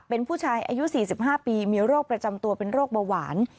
เป็นผู้ชายอายุ๔๕ปีมีโรคประจำตัวเป็นโรคเบาหวาน